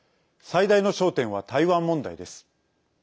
最大の焦点は台湾問題です。